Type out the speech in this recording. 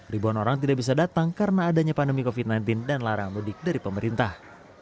ribuan orang tidak bisa datang karena adanya pandemi covid sembilan belas dan larang mudik dari pemerintah